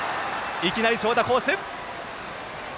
いきなり長打コース。